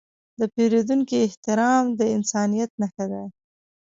د پیرودونکي احترام د انسانیت نښه ده.